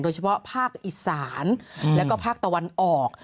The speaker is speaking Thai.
โดยเฉพาะภาคอิสานแล้วก็ภาคตะวันออก